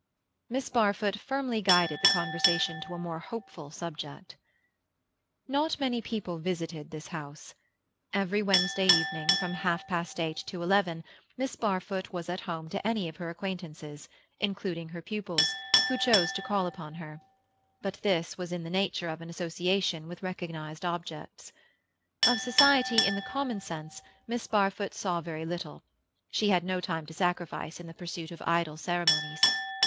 Miss Barfoot firmly guided the conversation to a more hopeful subject. Not many people visited this house. Every Wednesday evening, from half past eight to eleven, Miss Barfoot was at home to any of her acquaintances, including her pupils, who chose to call upon her; but this was in the nature of an association with recognized objects. Of society in the common sense Miss Barfoot saw very little; she had no time to sacrifice in the pursuit of idle ceremonies.